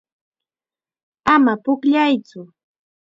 Ama pukllaytsu.